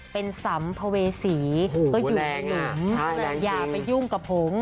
เป็นสำภเวษีโหแรงอ่ะแรงจริงอย่าไปยุ่งกับผม